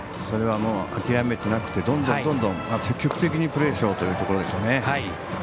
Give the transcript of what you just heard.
それは諦めてなくてどんどん、どんどん積極的にプレーしようというところでしょうね。